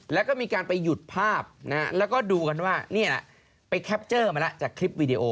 แล้วก็มีการไปหยุดภาพแล้วก็ดูกันว่านี่แหละไปแคปเจอร์มาแล้วจากคลิปวีดีโอ